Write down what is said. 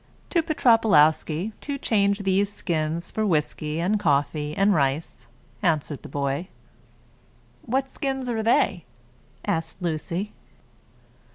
"To Petropawlowsky, to change these skins for whisky and coffee, and rice," answered the boy. "What skins are they?" asked Lucy.